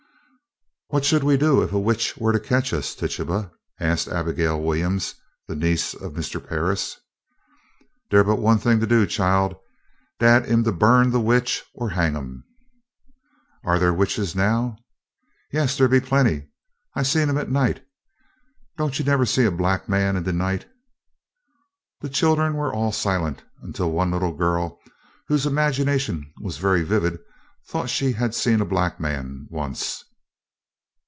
"What should we do if a witch were to catch us, Tituba?" asked Abigail Williams, the niece of Mr. Parris. "Dar but one thing to do, chile. Dat am to burn de witch or hang 'em." "Are there witches now?" "Yes, dar be plenty. I see 'em ob night. Doan ye nebber see a black man in de night?" The children were all silent, until one little girl, whose imagination was very vivid, thought she had seen a black man, once.